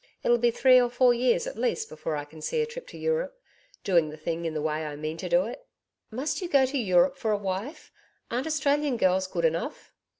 It'll be three or four years at least before I can see a trip to Europe doing the thing in the way I mean to do it.' 'Must you go to Europe for a wife? Aren't Australian girls good enough?'